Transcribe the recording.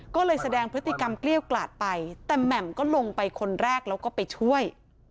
ก็เลยแสดงพฤติกรรมเกลี้ยวกลาดไปแต่แหม่มก็ลงไปคนแรกแล้วก็ไปช่วย